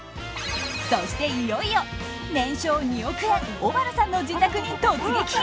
そしていよいよ、年商２億円小原さんの自宅に突撃！